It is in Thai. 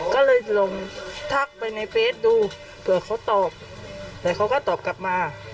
ก็เลยลองทักไปในเฟสดูเผื่อเขาตอบแต่เขาก็ตอบกลับมา